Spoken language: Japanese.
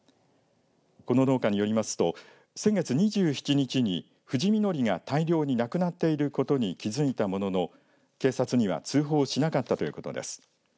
この農家によりますと先月２７日に藤稔が大量になくなっていることに気付いたものの警察には通報しなかったということです。